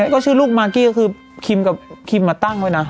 ก็ชื่อลูกมากกี้ก็คือคิมกับคิมมาตั้งไว้นะ